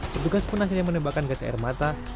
pedugas pun akhirnya menembakkan gas air matahari